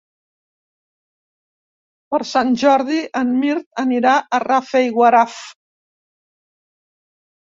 Per Sant Jordi en Mirt anirà a Rafelguaraf.